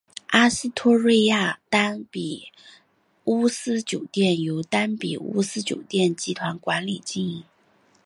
阿斯托瑞亚丹比乌斯酒店由丹比乌斯酒店集团管理经营。